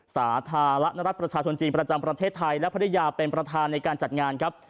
สาธารณรัฐประชาชนจีนประจำประเทศไทยและภรรยาเป็นประธานในการจัดงานครับ